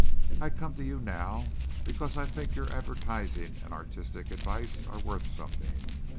I come to you now because I think your advertising and artistic advice are worth something.